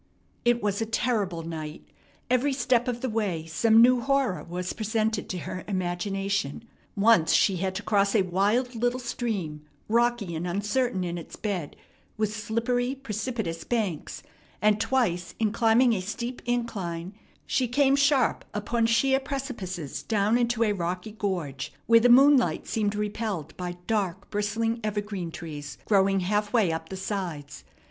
It was a terrible night. Every step of the way some new horror was presented to her imagination. Once she had to cross a wild little stream, rocky and uncertain in its bed, with slippery, precipitous banks; and twice in climbing a steep incline she came sharp upon sheer precipices down into a rocky gorge, where the moonlight seemed repelled by dark, bristling evergreen trees growing half way up the sides.